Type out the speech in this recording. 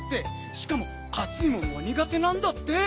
しかもあついものはにがてなんだって。